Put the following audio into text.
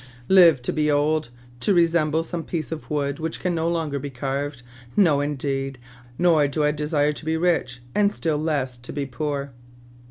"Live to be old ! To resemble some piece of wood which can no longer be carved ! No, indeed ! Nor do I desire to be rich, and still less to be poor.